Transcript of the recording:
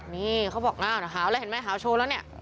นี่เขาบอกน่าวนะหาวอะไรเห็นไหมหาวโชว์แล้วนี่